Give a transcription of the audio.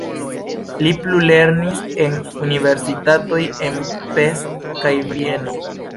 Li plulernis en universitatoj en Pest kaj Vieno.